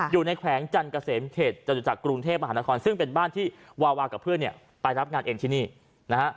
แขวงจันเกษมเขตจตุจักรกรุงเทพมหานครซึ่งเป็นบ้านที่วาวากับเพื่อนเนี่ยไปรับงานเองที่นี่นะฮะ